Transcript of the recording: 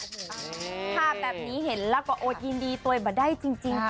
ภาพแบบนี้เห็นแล้วก็โอดยินดีตัวยบดได้จริงเจ้า